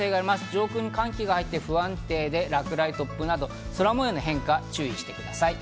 上空に寒気が入って不安定、落雷や突風など空模様の変化に注意してください。